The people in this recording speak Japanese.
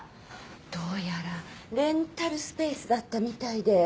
どうやらレンタルスペースだったみたいで。